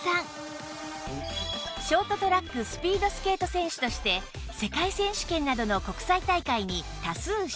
ショートトラックスピードスケート選手として世界選手権などの国際大会に多数出場